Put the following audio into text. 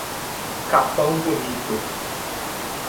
Capão Bonito